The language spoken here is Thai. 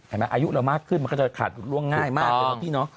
อายุเรามากขึ้นมันก็จะขาดหลุดร่วงง่ายมาก